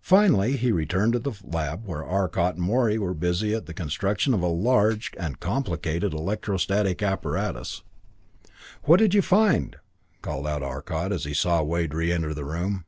Finally he returned to the main lab where Arcot and Morey were busy at the construction of a large and complicated electro static apparatus. "What did you find?" called out Arcot, as he saw Wade reenter the room.